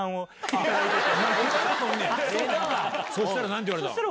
そしたら何て言われたの？